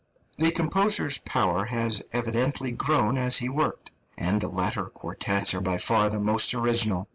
The composer's power has evidently grown as he worked, and the later quartets are by far the most original.